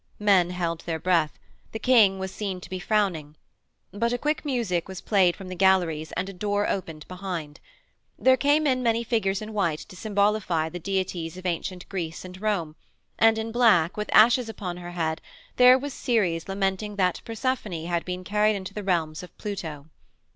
Men held their breath: the King was seen to be frowning. But a quick music was played from the galleries and a door opened behind. There came in many figures in white to symbolify the deities of ancient Greece and Rome, and, in black, with ashes upon her head, there was Ceres lamenting that Persephone had been carried into the realms of Pluto.